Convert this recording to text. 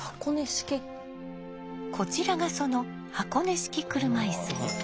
こちらがその箱根式車椅子。